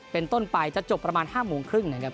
เป็นต้นไปจะจบประมาณ๕โมงครึ่งนะครับ